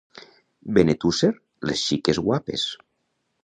Benetússer, les xiques guapes.